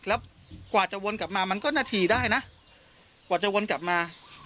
แล้วกว่าจะวนกลับมามันก็นาทีได้นะกว่าจะวนกลับมา